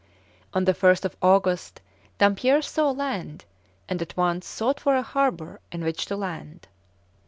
On the 1st August, Dampier saw land, and at once sought for a harbour in which to land.